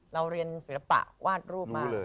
เราเรียนศิลปะวาดรูปมา